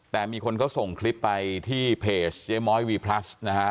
แต่มีคนเขาส่งคลิปไปที่เพจเจ๊ม้อยวีพลัสนะฮะ